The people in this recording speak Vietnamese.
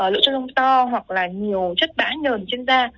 lựa chân lông to hoặc là nhiều chất bã nhờn trên da